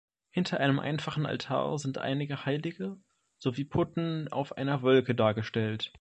Hinter einem einfachen Altar sind einige Heilige sowie Putten auf einer Wolke dargestellt.